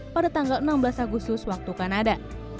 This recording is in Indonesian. pada tanggal enam belas agustus waktu kanada